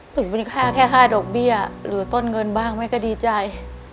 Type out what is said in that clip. ถึงเป็นค่าแค่ค่าดอกเบี้ยหรือต้นเงินบ้างแม่ก็ดีใจ